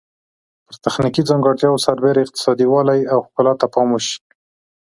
پر تخنیکي ځانګړتیاوو سربیره اقتصادي والی او ښکلا ته پام وشي.